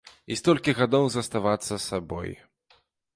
І столькі гадоў заставацца сабой.